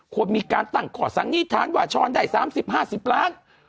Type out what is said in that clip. ควรมีการตั้งข้อสันนิษฐานว่าช้อนได้๓๐๕๐ล้าน